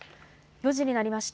４時になりました。